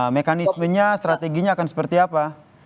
mekanismenya strateginya akan seperti apa